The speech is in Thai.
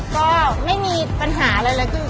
ก็ไม่มีปัญหาเลยแล้วครับ